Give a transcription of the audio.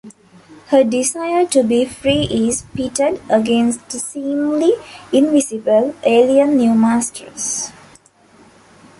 Her desire to be free is pitted against the seemingly invincible alien New Masters.